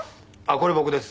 これ僕です。